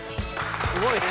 すごいね。